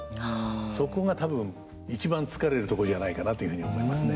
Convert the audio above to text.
そこが多分一番疲れるとこじゃないかなというふうに思いますね。